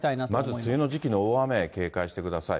まず梅雨の時期の大雨、警戒してください。